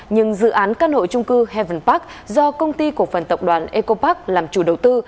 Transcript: nhưng dự án căn hội trung cư heaven park do công ty của phần tập đoàn ecopark làm chủ đầu tư